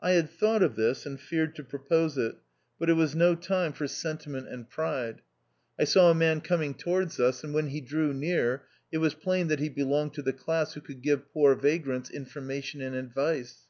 I had thought of this, and feared to pro pose it, but it was no time for sentiment 196 THE OUTCAST. and pride. I saw a man coming towards us, and when lie drew near it was plain that he belonged to the class who could give poof vagrants information and advice.